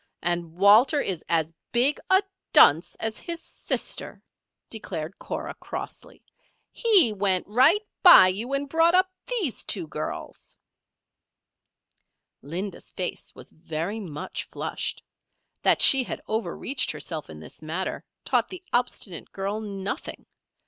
And Walter is as big a dunce as his sister," declared Cora, crossly. "He went right by you and brought up these two girls." Linda's face was very much flushed. That she had overreached herself in this matter, taught the obstinate girl nothing.